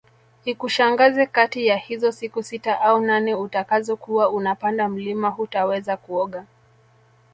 Isikushangaze kati ya hizo siku sita au nane utakazo kuwa unapanda mlima hutaweza kuoga